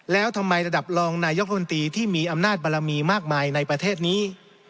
แล้วทำไมระดับรองนายกรรมตรีที่มีอำนาจบารมีมากมายในประเทศนี้